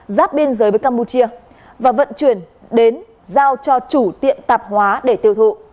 giáp biên giới với campuchia và vận chuyển đến giao cho chủ tiệm tạp hóa để tiêu thụ